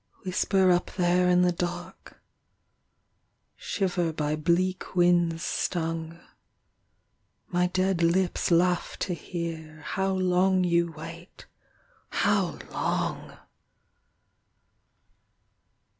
Whisper up there in the dark. ... Shiver by bleak winds stung. ... My dead lips laugh to hear How long you wait ... how long